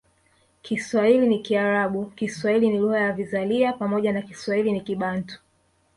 Kiswahili ni Kiarabu Kiswahili ni lugha ya vizalia pamoja na Kiswahili ni Kibantu